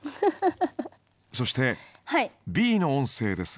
そしてＢの音声ですが。